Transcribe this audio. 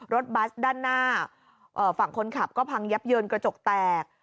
บัสด้านหน้าฝั่งคนขับก็พังยับเยินกระจกแตก